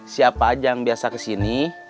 siapa aja yang biasa kesini